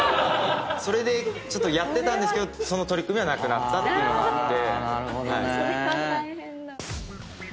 それでやってたんですけどその取り組みはなくなったっていうのがあって。